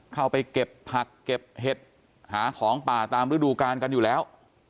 เข้าไปเก็บผักเก็บเห็ดหาของป่าตามฤดูกาลกันอยู่แล้ว